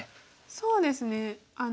そうですね。